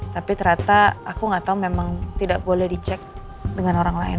tapi ternyata aku nggak tahu memang tidak boleh dicek dengan orang lain